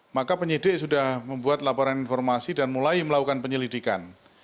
maka penyidik sudah membuat laporan informasi dan mulai melakukan penyelidikan